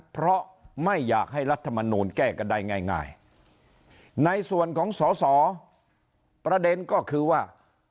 เพราะไม่อยากให้รัฐมนูลแก้กันได้ง่ายในส่วนของสอสอประเด็นก็คือว่า